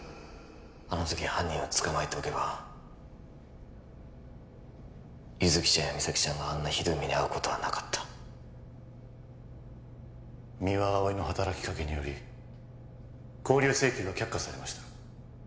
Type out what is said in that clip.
あの時犯人を捕まえておけば優月ちゃんや実咲ちゃんがあんなひどい目にあうことはなかった三輪碧の働きかけにより勾留請求が却下されました